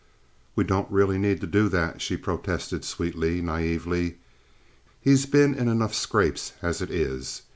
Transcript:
"We don't really need to do that," she protested sweetly, naively. "He's been in enough scrapes as it is.